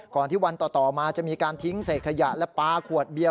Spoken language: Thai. ที่วันต่อมาจะมีการทิ้งเศษขยะและปลาขวดเบียร์